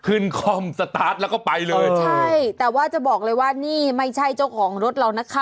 คอมสตาร์ทแล้วก็ไปเลยใช่แต่ว่าจะบอกเลยว่านี่ไม่ใช่เจ้าของรถเรานะคะ